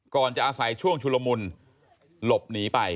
ก่อนจะอาศัยช่วงชุลมุนหลบหนีไป